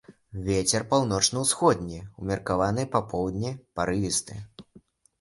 Вецер паўночна-ўсходні ўмеркаваны, па поўдні парывісты.